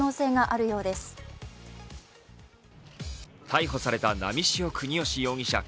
逮捕された波汐國芳容疑者